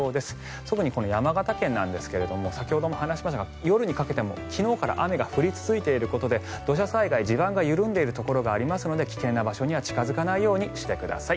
特に山形県なんですが先ほども話しましたが昨日から雨が降り続いていることもあり地盤が緩んでいるところもあるので危険な場所に近付かないようにしてください。